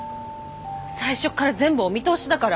最初っから全部お見通しだから。